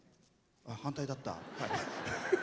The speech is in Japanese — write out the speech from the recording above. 反対だった。